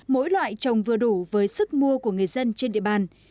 mỗi loại trồng vừa đủ với sức mua của người dân trên địa bàn